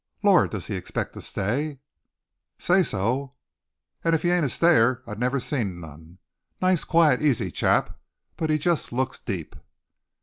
"Lord! does he expect to stay?" "Say so. An' if he ain't a stayer I never seen none. Nice, quiet, easy chap, but he just looks deep."